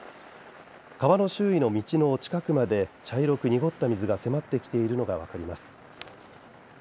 川の周囲の道の近くまで茶色くにごった水が迫ってきているのが分かります。